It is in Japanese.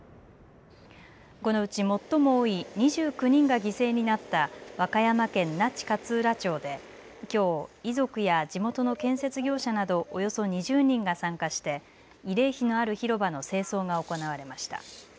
このうち最も多い２９人が犠牲になった和歌山県那智勝浦町できょう遺族や地元の建設業者などおよそ２０人が参加して慰霊碑のある広場の清掃が行われました。